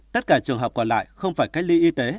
tất cả trường hợp còn lại không phải cách ly y tế